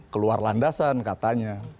keluar landasan katanya